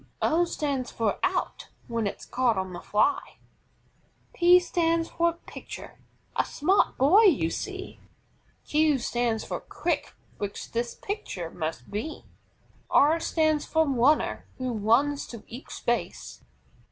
O stands for OUT, when it's caught on the fly. P stands for PITCHER, a smart boy you see. Q stands for QUICK, which this pitcher must be. R stands for RUNNER, who runs to each base.